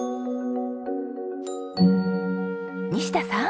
西田さん。